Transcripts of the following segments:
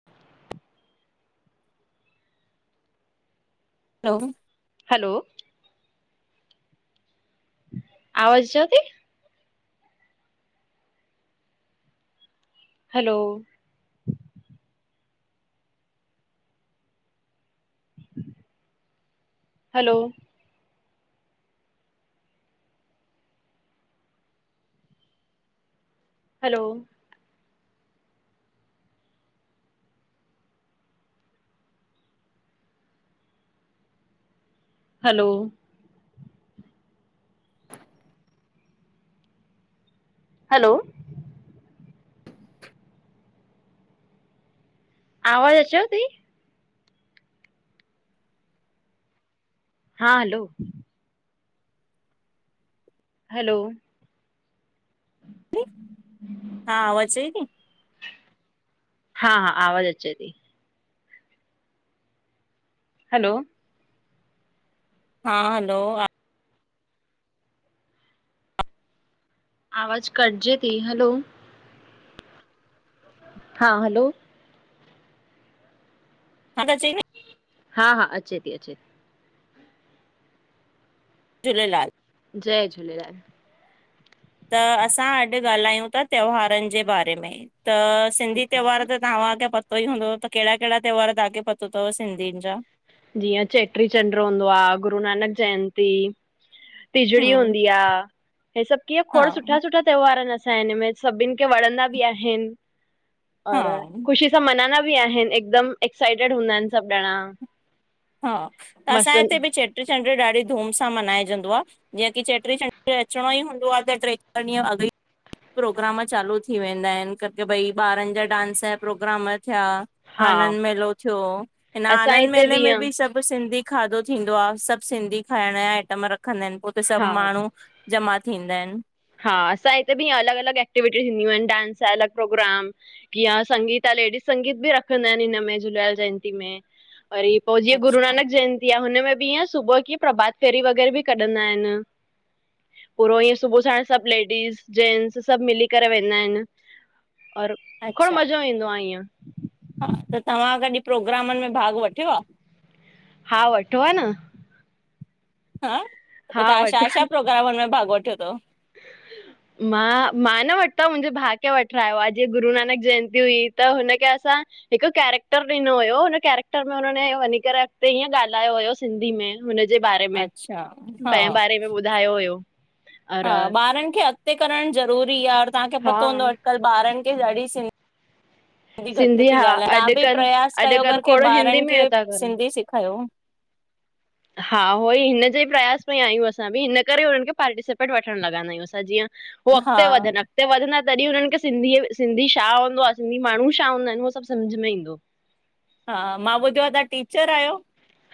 [inaudible] हलो। Hello. आवाज़ जथी। Hello. Hello. Hello. Hello. [inaudible] Hello. आवाज़ अचॉ ती? हा हलो। हलो। हा आवज़े थी? हा हा आवाज़ अचे थी। हलो। हा हलो। आवाज़ कट्जे थी हलो। हा हलो। हा त चईपी। हा हा अचे थी अचे थी। झूलेलाल। जय झूलेलाल। त असां अॼु ॻाल्हायूं था त्योहारनि जे बारे में त सिंधी ठीकु त्योहार आ। त। तवां अॻां पतो ई हूंदो त कहेड़ा कहेड़ा त्योहार तांखे पतो थव सिधियुन जा। जीअं चेट्री चंड हूंदो आ गुरूनानक जयंती। तिजड़ी हम हूंदी आ हे सभ कीअं हा खोड़ सुठा सुठा। त्योहरसां हिन में सभिन खे वणंदा बि आहिन हा और ख़ुशी। सभ मञंदा बि आहिन हिकदम एक्साइटेड हूंदा आहिन सभ ॾणा। हा त असांजे हिते बि चेट्री चंड ॾाढी धूम सां मन्हाइजंदो आ। जीअं की चेटरी रचणो ई हूंदो आह त ट्रे दिहं अगै। प्रोग्राम चालू थी वेंदा आहिन क के भई ॿारन जा डांस जा प्रोग्राम थिया। हा आनंद मेलो थियो हिन असां आनंद हिते बि मेले में। ईअं सभ सिंधी खाधो थींदो आहे सभ सिंधी खाइण जा आइटम रखंदा आहिन पोइते सभु हा माण्हू। जमा थींदा आहिन। हा असांजे हिते बि अलॻ अलॻ एक्टिविटी थींदियूं आहिन डांस आ अलॻ प्रोग्राम। की आ संगीत आ लेडीज संगीत बि रखंदा आहिन हिनमें झूलेलाल जयंती में। वरी पो जीअं अच्छा गुररुनानक जयंती आ हुनमें बि ईअं सुबुह कीअं प्रभात फेरी वग़ैरह बि कढंदा आहिन। पो ईअं सुबह साण। सॿ लेडीस जेंट्स सॿ मिली करे वेंदा आयन और खो़ॾ अच्छा मज़ो ईंदो आ ईअं। हा त तवां कॾि प्रोग्रामन में भाग वठयो आ। हा वठो आ न। हा पो हा तां वठो शा-शा प्रोग्रामन में भाग वठयो तव। मां-मां न वरतो मुंजे भा खे वठरायो आ जीअं गुरूनानक जयंती हुई त हुनखे असां हिक कैरेक्टर ॾिनो होयो हुन कैरेक्टर में हुन वञी करे अॻते हीअं ॻालायो होयो। सिंधी में हुनजे बारे में अच्छा हा तेंय बारे में ॿुधायो होयो। हा ॿारन खे अॻते करण ज़रूरी आ और तांखे हा पतो हूंदो अॼकल ॿारन खे ॾाॾी सिं ह [inaudible] ॾाॾी घट सिंधी ती हा ॻालायां तां ॿि अॼुकल्ह प्रयास कयो अॼुकल्ह अगर की खोड़ हिंदी ॿारन में खे था करनि सिंधी सेखायो। हा उहो ई हिनजे ई प्रयास में आयूं असां ॿि हिन करे हुनन खे पार्टिसिपेट वठण लॻंदा आयूं असां जीअं हो हा अगते वधन। उते वधंदा तॾी उनन खे सिंधी सिंधी छा हूंदो आ सिंधी माणू छा हूंदा आयन उह सॿ समझ में ईंदो। हा मां ॿुधयो आ तां टीचर आयो।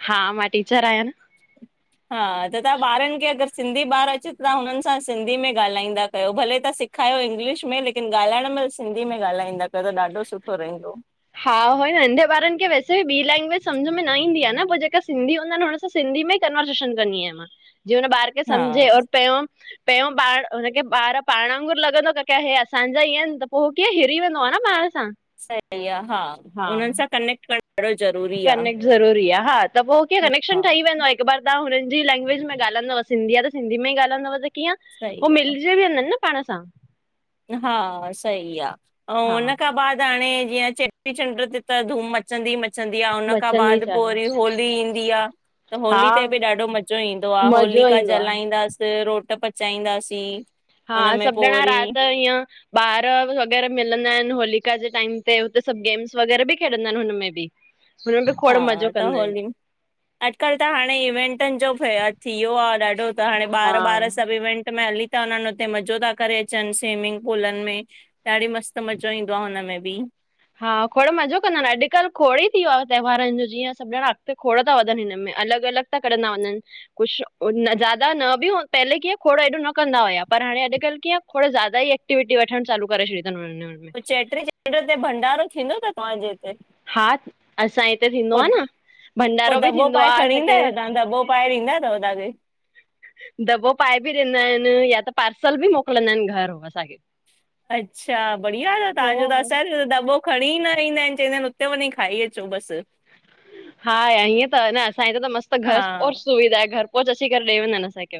हा मां टीचर आयां न। [inaudible] हा त तां ॿारन खे अगर सिंधी ॿार अचे तां हुनन सां सिंधी में ॻालाईंदा कयो भले तां। खायो इंग्लिश में लेकिन ॻालाइण मल सिंधी में ॻालाईंदा कयो त ॾाढो सुठो रहिंदो। हा उो नढे ॿारन खे वैसे वी ॿी लैंग्वेज समझ में न ईंदी आ न पो जेका सिंधी हूंदा अन। सिंधी में कनवसेशन कंदी आयां मां जीअं हुन ॿार खे हा समझे और पयों। पैंयों ॿार हुनखे ॿार पाण वांगुर लॻंदो आ की की हेह असांजा ईअं आयन त पो उ कीअं हिरी वेंदो आ न ॿार सां। सही आ हा हुनन सां कनेक्ट करण ॾाढो ज़रूरी आ। कनेक्ट ज़रूरी आ हा त पो क कनेक्शन ठही वेंदो आ। हिक बार तां हुनन जी लंग्वेज में ॻालादव सिंधी आ सिंधी में ई ॻालदव त कीअं। सही उ आहे। मिलजे बिनिन ना पाण सां। हा सई आ ऐं हा हुन खां बा दाणे जीअं चेटी चंड ते त धूम मचंदी मंच मचंदी आ हुन खां मचंदी बाद पो चाल वरी होली ईंदी आ। त हा होली ते ॿि ॾाढो मज़ो ईंदो आ मज़ो होलिका ईंदो आहे जलाईंदास रोट प चाईदासीं हा सॿ ॼणा रात ईअं। ॿार वग़ैरह मिलंदा आयन होलिका जे टाइम ते हुते सॿ गेम्स वग़ैरह ॿि खेॾंदा आयन। हुनमें बि हुनमें बि हा खोड़ मज़ो त कंदा आहिनि होली। अॼकल त हाणे इवेंटन ॼो थियो आ ॾाढो त हाणे हा ॿार-ॿार सॿ इवेंट में हली। त उनन हुते मज़ो ता करे अचन स्विमिंग पूलन में। ॾाढी मस्त मज़ो ईंदो आ हुनमें ॿि। हा खोड़ मज़ो कंदा आयन अॼकल खोड़े थी वयो आ त्योहारन जो जीअं सॿ ॼणा अॻते खोड़ था वधन हिनमें अलॻ-अलॻ। कंडदा वञन। कुछ ज्यादा न ॿि पहले कीअं खोड़ो हेॾो न कंदा होआ पर हाणे अॼकल कीअं। थोड़ो जादा ई एकविटी वठण चालू करे छड़ियो तन सुन्न अन। चेटीचंड ते भंडारो थींदो त तांजे हिते। हा असांजे हिते थींदो आहे न पो भंडारो बि दॿो थींदो पाए आहे खणी ईंदा असांखे आयो तां दॿो। फायर ईंदा तव तांखे। दॿो पाए बि ॾींदा आहिनि या त पार्सल बि मोकिलींदा आहिनि घर असांखे। अच्छा बढ़िया तव तव्हांजो त, असां दॿो खणी न ईंदा आहिनि, चैंदा आहिनि हुते वञी खाई अचो बसि। हा या इएं त ह न असांय त त मस्तु घर हा ओर सुविधा आहे घर पहुच असीं करे ॾेई वेंदानि असांखे।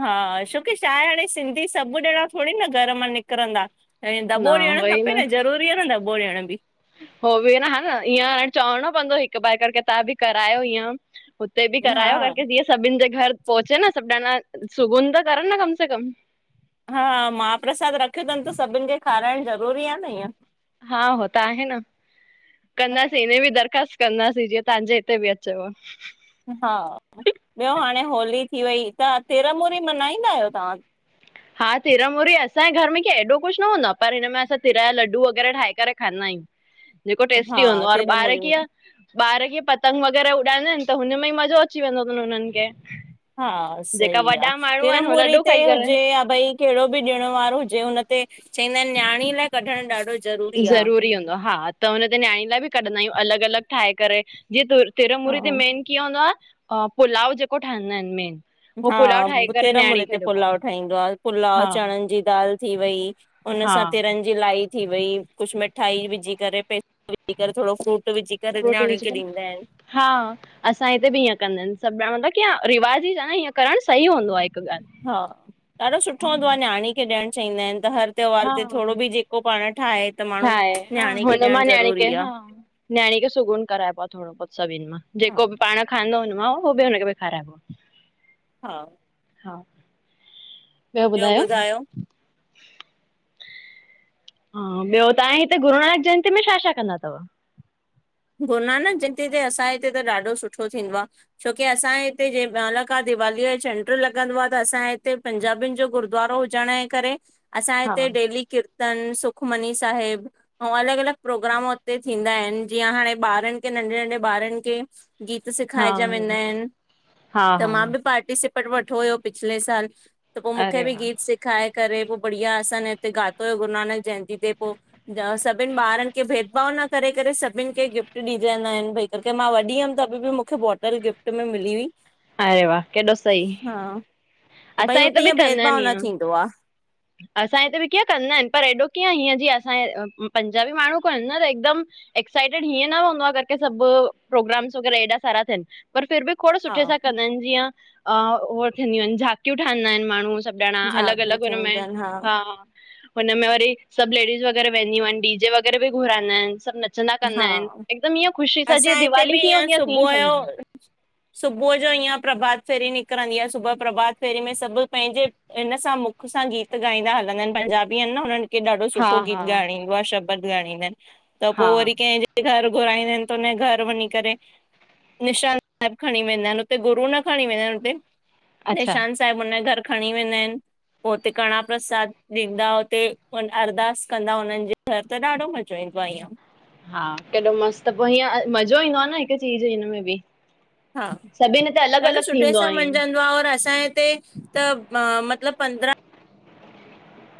हा छोकी छा आहे हाणे सिंधी सभु ॼणा थोडी न घर मां निकिरंदा। हे न दॿो ॾियणु उहोई खपे न ज़रूरी आ न दॿो ॾियण बि। हो बि न, हा न, ईअं अ चवणो पवंदो हिकु ॿारि करे के तव्हां बि करायो हीअं। हुते बि हा। करायो करके जीअं सभिनि जे घर पहुचे न, सभु ॼणा सुगुन त करनि न कम से कम हा, महाप्रसाद रखंदमि त सभिनि खे खाराइणु ज़रूरी आ न इएं। हा हो त आहे न। कंदासीं इने बि दरख़्वास्त कंदासीं, जीअं तव्हांजे हिते बि अचेव। हा, ॿियो हाणे होली थी वई, त तिरमूरी मना ईंदा आहियो तां? हा, तिरमूरी असांजे घर में की एॾो कुझु न हूंदो आ, पर हिन में असां तिर लड्डू वग़ैरह ठाहे करे खाईंदा आहियूं। [inaudible] ॼेको टेस्टी हा हूंदो आ, और ॿार तिरमूरी मल्हाईंदा कीअं ॿार कीअं पतंग वग़ैरह उॾाईंदा आहिनि त हुनमें ई मज़ो अची वेंदो तन हुननि खे। हा, जेका सही आ, वॾा माण्हू आहिनि हो तिरमुरी लॾो ते खाई करे हुजे या भई कहिड़ो बि ॾिण वार हुजे हुन ते, चईंदा आहिनि नियाणी लाइ कढण ॾाढो ज़रूरी हूंदो आ, हा। त हुन ते नियाणी लाइ बि कढंदा आहियूं, अलॻि अलॻि ठाहे करे जीअं त हा तिरमूरी ते मेन कीअं हूंदो आ, पुलाव ॼेको ठहींदा आहिनि मेन। हो पुलाव हा, ठाहे करे तिरमूरीे न्याणी खे ते ॾिबो आहे पुलाव ठाहींदो आ पुलाव हा चणनि जी दाल थी वई। हुन हा सां तिरं जी लाई थी वई, कुझु मिठाई विझी करे, पैसा विझी करे, थोरो फ्रूट विझी करे फ्रूट न्याणी खे विझंदम ॾींदा आहिनि हा। असांजे हिते बि इएं कंदा आहिनि, सभु ॼणा मतिलबु की रिवाज ई इएं करणु सही हूंदो आ हिकु ॻाल्हि। हा, ॾाढो सुठो हूंदो आ नियाणी खे ॾियण चाहींदा आहिनि त हर त्योहार ते थोडो बि ॼेको पाण ठाहे त माण्हू ठाहे न्याणी खे ॾियणु ज़रूरी आ। नियाणी खे सुगून कराइबो आ थोडो बहुत सभिनि मां, ॼेको बि हा पाण खांदो हुन मां उहो बि हुनखे बि खाराइबो आ। हा हा ॿियो ॿुधायो? हा, ॿियो तां हिते गुरुनानक जयंती में छा छा कंदा तव? गुरुनानक जयंती ते असां हिते त ॾाढो सुठो थींदो आ। छोकी असां हिते जे रोनक का दिवालीअ जो चंढ लॻंदो आ त असां हिते पंजाबीनि जो गुरुद्वारो चणे करे, असां हा हिते डेली किर्त किर्तन, सुखमनी साहिब अऊं अलॻि अलॻि प्रोग्राम हुते थींदा आहिनि। जीअं हाणे ॿारनि खे, नंढे नंढे ॿारनि खे गीत हा सिखाएजा वेंदा आहिनि, हा त हा मां बि पार्टिसिपेट पार्टिसिपेट वठो हुयो पिछले सालु, त पो मूंखे अरे बि वाह गीत सिख खाए करे पो बढ़िया, असां न हिते गातो हुयो गुरुनानक जयंती ते पो सभिनि ॿारनि खे भेदभाव न करे करे सभु सभिनि खे गिफ्ट ॾिजदाईंनि आहिनि, भई मां वॾी हुअमि त बि बि मूंखे बॉटल गिफ्ट में मिली हुई। अरे वाह, केॾो सही। हा, त भई असांजे हुते हिते बि इएं कंदा आहिन भेदभाव न ईअं थींदो आ। असां हिते बि कीअं कंदा आहिनि, पर एॾो कीअं हीअं जीअं असां पंजाबी माण्हू कोनि न त हिकदमि एक्सटेंड हिंअं न हूंदो आ करिके सभु, प्रोग्राम्स वग़ैरह हेॾा सारा थियनि। पर फिर बि खोर हा सुठे सां कंदा इनि। जीअं ओ थिंदियूं इनि, झाकियूं ठाहींदा इनि माण्हूं सभु। ॼणा अलॻि झाकियूं अलॻि हुनमें चईंदा हा। हा हा, हुनमें वरी सभु लेडीस वग़ैरह वेंदियूं अनि, डी जे वग़ैरह बि घुराईंदा इनि सभु नच नचंदा कंदा हा इनि, हिकदमि ईअं ख़ुशी सां, असां जीअं हिते दिवाली बि कीअं ईअं हूंदी आ, तीअं सुबुह जो सम्झो सुबुह जो ईअं प्रभात फेरी निकिरंदी आ, सुबुह प्रभात फेरी में सभु पंहिंजे हिन सां मुख सां गीत ॻाईंदा हलंदा इनि पंजाबी अनि न हुननि कि ॾाढो हा सुठो गीत हा ॻाइणु ईंदो आ, शबद ॻाईणु ईंदा इनि। हा पोइ वरी कंहिंजे घर घुराईंदा इनि त हुन जे घर वञी करे निशान साहिब खणी वेंदा इनि हुते गुरू न खणी वेंदा इनि हुते, अच्छा निशान साहिब हुनजे घर खणी वेंदा आहिनि। पोइ हुते कणांह प्रसाद ॾींदा हुते, अरिदस कंदा हुननि जी घर त ॾाढो मज़ो ईंदो आ, ईअं। हा, केॾो मस्त पोइ, हीअं मज़ो ईंदो आ न हिक चीज़ हिन में बी। हा, ॾाढो सुठे थींदो आ सां ईअं। मंञिजंदो आ, और असांजे हिते त म, मतिलब पंद्रां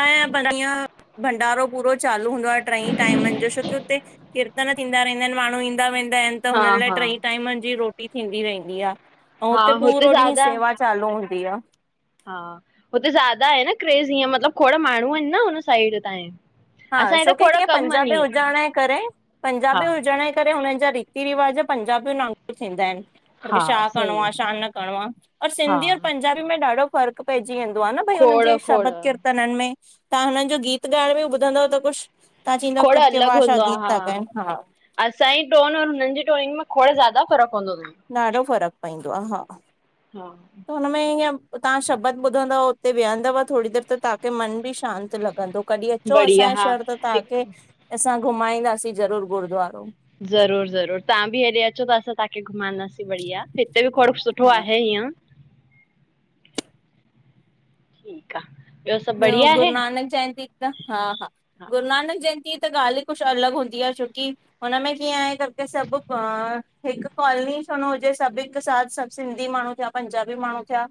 [unintelligible] भंडारो पूरो चालू हूंदो आ, ट्रईं टाइमनि जो, छोकी हुते कीर्तन थींदा रहंदा इनि माण्हूं ईंदा वेंदा इनि त हा हुननि लाइ हा ट्रई टाइमनि जी रोटी थींदी रहंदी आ। अऊं हा हुते पूरो ॾींहुं ज़्यादा सेवा चालू हूंदी आ। हा हुते ज्यादा आहे न क्रेज़ इअं मतिलबु खोड़ माण्हूं इनि न हुन साइड तांं ये। हा, छोकी कीअं पंजाबी हुजण जे करे, हा। पंजाबी हुजण जे करे हुननि जा रीति रिवाज़ पंजाबिन वांगुर थींदा इन। हा छा करिणो सही आ छा न करिणो आ, और हा सिंधी और पंजाबी में ॾाढो फ़र्क़ु पइजी वेंदो आ न, भई हुन खोड़ जे खोड़ शबद कीर्तननि में, तां हुननि जो गीत ॻाइण में ॿुधंदोव त कुछु खोड़ अलॻि हूंदो आ, हा। ॻाइनि हा असांजी टोन और हुननि जी टोइंग में खोड़ ज़्यादा फ़र्क़ु हूंदो तनि। ॾाढो फ़र्क़ु पईंदो आ, हा। हा। त हुनमें ईअं तां शबद ॿुधंदव उते वेहंदव थोरी जट त तांखे मन बि शांति लॻंदो। कॾी अचो बढ़िया असांजे हा शहर त हिकु तांखे असां घुमाईंदासीं ज़रूरु गुरुद्वारो। ज़रूर ज़रूर, तां बि हेॾे अचो ता त असां तांखे घुमंदासीं। बढ़िया, हिते बि थोरो सुठो हा आहे हीअं। ठीकु आ, ॿियो सभु बढ़िया आहिनि? न चईंदी। त हा हा, गुरू नानक जयंती जी त ॻाल् ई कुछु अलॻि हूंदी आ छोकी हुनमें कीअं आहे, करिके सभु पाण, हिकु कॉलनी छो न हुजे सभु हिकु साथ सभु सिंधी माण्हूं थिया। पंजाबी माण्हूं थिया,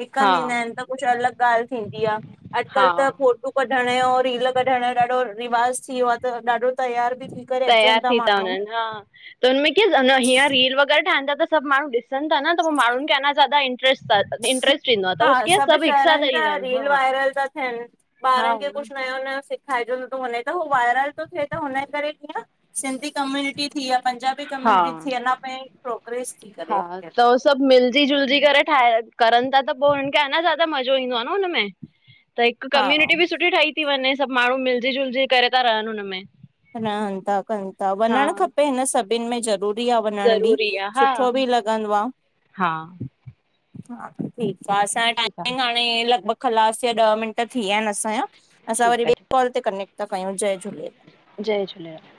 हिक हा हंध ईंदा इनि त कुछु अलॻि ॻाल्हि थींदी आ अॼुकल हा त फोटू कढण यो, रील कढण यो ॾाढो रवाज़ थी वियो आ त, ॾाढो तयार बि थी करे अचनि तयार माण्हू थी था वञनि, हा। त हुनमें कीअं न हअं रील वग़ैरह ठहनि था त सभु माण्हूं ॾिसन था न त पोइ माण्हुनि खे अञां ज़्यादा इंटरस्ट इंट्रस्ट ईंदो आ त, हा होस् सभु हिक साथ शहरनि जा ईंदा इनि, रील हा। वायरल था थियनि। ॿारनि खे कुछु नयों नयो सिख खाइजंदो थो वञे त, हू वायरल तो थिए त हुनजे करे कीअं सिंधी कम्यूनिटी थी या पंजाब हा हा कम्युनिटी थी अञां ताईं प्रोग्रेस थी करे। सभ मिलजी जुलजी करे ठाहे करन था त पो हुन खे आहे न ज्यादा मज़ो ईंदो आहे न हुनमें। त हिक हा कम्यूनिटी बि सुठी ठही थी वञे सभु माण्हू मिलजी जुलजी करे था रहन हुनमें। रहन था कयूं था हा वञण खपे हिन सभिन में ज़रूर। विया वञण बि ज़रूरी आहे हा सुठो बि लॻंदो आ। हा हा ठीक आ असांयं ठीकु आहे टाइमिंग हाणे लॻभॻ कलास या ॾह मिंट थी विया आहिन असांया। असां वरी ठीकु ॿिए आहे कॉल ते कनेक्ट थ कयूं जय झूलेलाल। जय झूलेलाल।